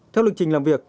theo lực trình làm việc